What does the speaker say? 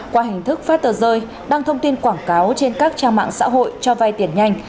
qua hình thức phát tờ rơi đăng thông tin quảng cáo trên các trang mạng xã hội cho vay tiền nhanh